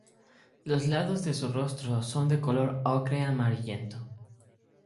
Los lados de su rostro son de color ocre amarillento.